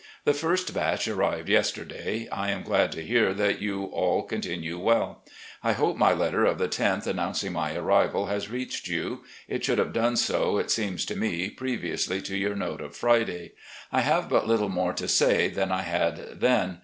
The first batch arrived yesterday. I am glad to hear that you all continue well. I hope my letter of the loth, announcing my arrival, has reached you. It should have done so, it seems to me, previously to your note of Friday. I have but little more to say than I had then.